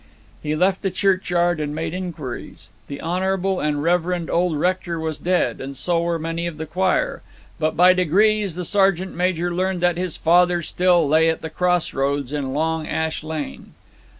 He left the churchyard and made inquiries. The honourable and reverend old rector was dead, and so were many of the choir; but by degrees the sergeant major learnt that his father still lay at the cross roads in Long Ash Lane.